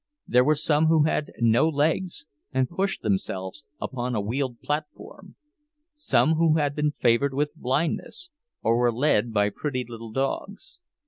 There were some who had no legs, and pushed themselves upon a wheeled platform—some who had been favored with blindness, and were led by pretty little dogs.